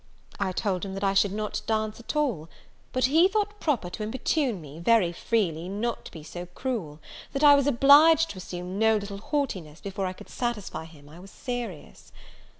I told him that I should not dance at all; but he thought proper to importune me, very freely, not to be so cruel; and I was obliged to assume no little haughtiness before I could satisfy him I was serious.